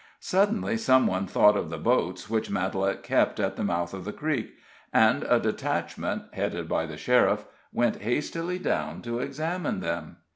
Suddenly some one thought of the boats which Matalette kept at the mouth of the creek, and a detachment, headed by the sheriff, went hastily down to examine them.